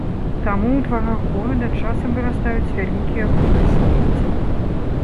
Таму ў дварах горада часам вырастаюць вялікія горы смецця.